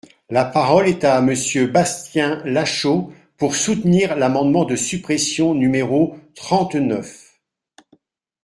La parole est à Monsieur Bastien Lachaud, pour soutenir l’amendement de suppression numéro trente-neuf.